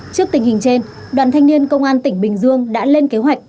trước tình hình trên đoàn thanh niên công an tỉnh bình dương đã lên kế hoạch